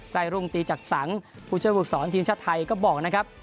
รุ่งตีจักษังผู้ช่วยฝึกศรทีมชาติไทยก็บอกนะครับ